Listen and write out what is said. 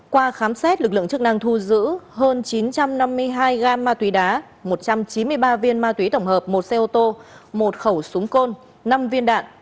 qua khám xét lực lượng chức năng thu giữ hơn chín trăm năm mươi hai gam ma túy đá một trăm chín mươi ba viên ma túy tổng hợp một xe ô tô một khẩu súng côn năm viên đạn